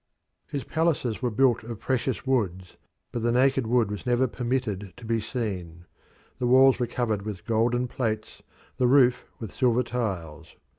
His palaces were built of precious woods, but the naked wood was never permitted to be seen: the walls were covered with golden plates, the roof with silver tiles.